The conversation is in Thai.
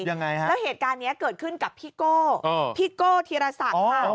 ยังไงฮะแล้วเหตุการณ์นี้เกิดขึ้นกับพี่โก้พี่โก้ธีรศักดิ์ค่ะ